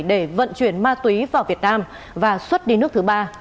để vận chuyển ma túy vào việt nam và xuất đi nước thứ ba